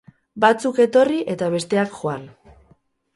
Batzuk etorri eta besteak joan.